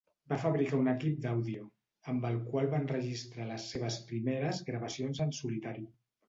Va fabricar un equip d'àudio, amb el qual va enregistrar les seves primeres gravacions en solitari.